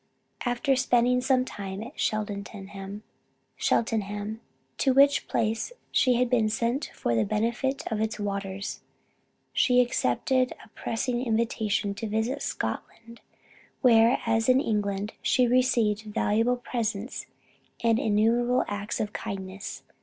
After spending some time at Cheltenham, to which place she had been sent for the benefit of its waters, she accepted a pressing invitation to visit Scotland, where, as in England, she received valuable presents and innumerable acts of kindness.